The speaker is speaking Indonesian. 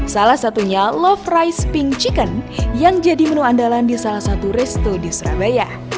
salah satunya love rice pink chicken yang jadi menu andalan di salah satu resto di surabaya